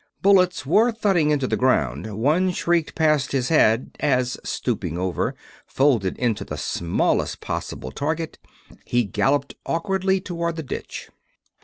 Bullets were thudding into the ground; one shrieked past his head as, stooping over, folded into the smallest possible target, he galloped awkwardly toward the ditch.